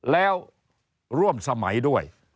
แล้วร่วมสมัยด้วย